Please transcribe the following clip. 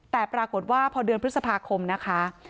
แต่ปรากฏว่าพอเดือนพฤษภาคมนะคะ